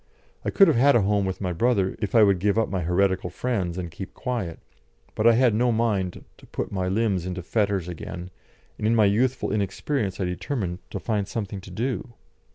I could have had a home with my brother if I would give up my heretical friends and keep quiet, but I had no mind to put my limbs into fetters again, and in my youthful inexperience I determined to find something to do.